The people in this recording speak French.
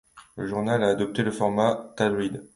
Le journal a adopté le format tabloïd.